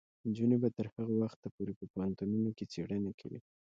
نجونې به تر هغه وخته پورې په پوهنتونونو کې څیړنې کوي.